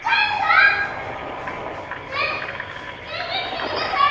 ねえ出てきてください！